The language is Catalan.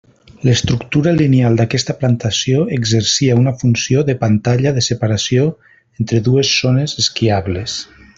L'estructura lineal d'aquesta plantació exercia una funció de pantalla de separació entre dues zones esquiables.